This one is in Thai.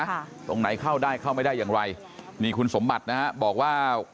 ตรงไหนเข้าได้เข้าไม่ได้อย่างไรนี่คุณสมบัตินะฮะบอกว่า